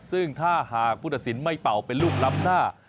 ซึ่งถ้าหากผู้ตัดสินไม่เป่าเป็นลูกล้ำหน้า